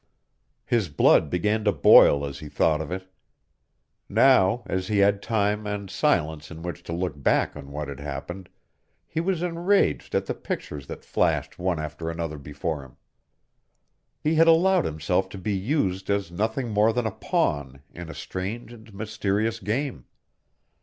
His blood began to boil as he thought of it. Now, as he had time and silence in which to look back on what had happened, he was enraged at the pictures that flashed one after another before him. He had allowed himself to be used as nothing more than a pawn in a strange and mysterious game.